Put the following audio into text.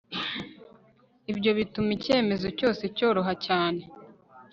ibyo bituma icyemezo cyose cyoroha cyane